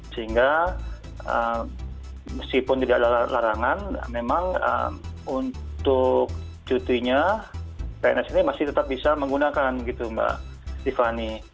sehingga meskipun tidak ada larangan memang untuk cutinya pns ini masih tetap bisa menggunakan gitu mbak tiffany